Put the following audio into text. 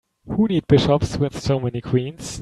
Who need bishops with so many queens?